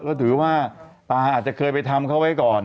ก็ถือว่าตาอาจจะเคยไปทำเขาไว้ก่อน